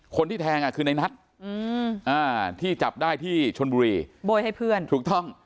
คนที่แทงคือในนัทที่จับได้ที่ชนบุรีโบยให้เพื่อนถูกต้อง